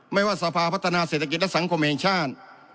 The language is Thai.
ไม่ว่าสภาพัฒนาเศรษฐกิจและสังคมแห่งชาติ